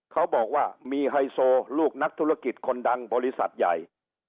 เขาบอกว่ามีไฮโซลูกนักธุรกิจคนดังบริษัทใหญ่